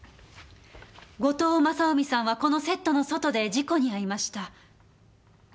後藤勝臣さんはこのセットの外で事故に遭いました。